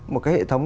một cái hệ thống